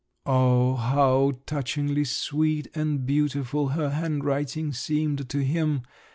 Oh, how touchingly sweet and beautiful her handwriting seemed to him!